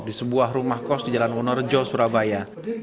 di sebuah rumah kos di jalan wonorejo surabaya